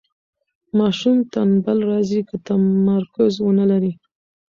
ماشوم ټنبل راځي که تمرکز ونلري.